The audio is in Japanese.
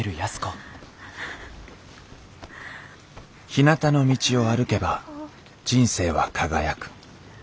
「ひなたの道を歩けば人生は輝く」。